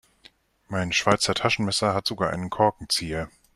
Mein Schweizer Taschenmesser hat sogar einen Korkenzieher.